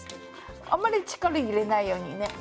あんまり力入れないようにね。